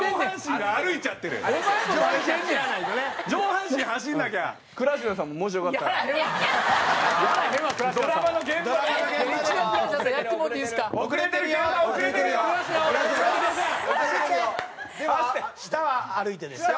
でも下は歩いてですよ。